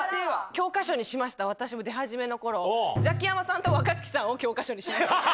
教科書にしました、私も出始めのころ、ザキヤマさんと若槻さんを教科書にしてた。